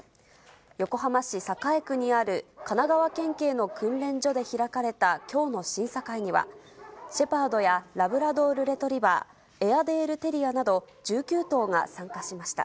横浜市栄区にある神奈川県警の訓練所で開かれたきょうの審査会には、シェパードやラブラドール・レトリバー、エアデールテリアなど、１９頭が参加しました。